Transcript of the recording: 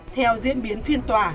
theo diễn biến phiên tòa